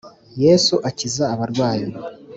yesu akiza abarwayi